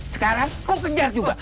sekarang kau kejar juga